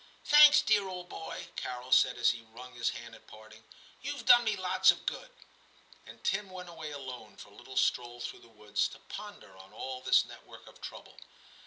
'Thanks, dear old boy,' Carol said as he wrung his hand at parting ;* youVe done me lots of good '; and Tim went away alone for a little stroll through the woods to ponder on all this network of trouble.